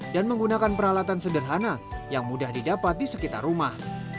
dan menggunakan peralatan sederhana yang mudah didapat di sekitar rumah